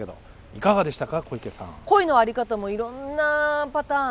いかがでした？